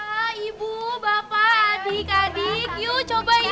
bapak ibu bapak adik adik yuk coba yuk